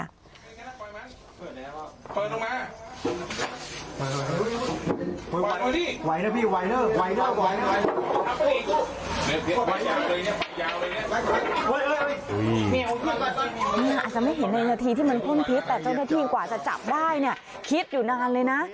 อาจจะไม่เห็นในนาทีที่มันพ่นพิษแต่เจ้าหน้าที่กว่าจะจับได้เนี่ยคิดอยู่นานเลยนะ